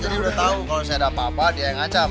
jadi udah tahu kalau saya ada apa apa dia yang ngacam